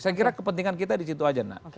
saya kira kepentingan kita disitu aja nak